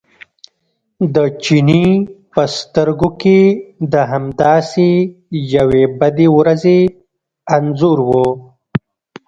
د چیني په سترګو کې د همداسې یوې بدې ورځې انځور و.